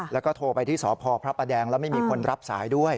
แล้วก็โทรไปที่สพพระประแดงแล้วไม่มีคนรับสายด้วย